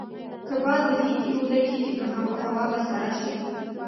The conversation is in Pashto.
که باد ولګېږي نو هوا به سړه شي.